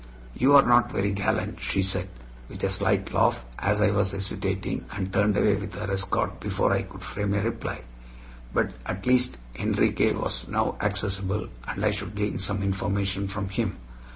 "You are not very gallant," she said, with a slight laugh, as I was hesitating, and turned away with her escort before I could frame a reply. But at least Enriquez was now accessible, and I should gain some information from him.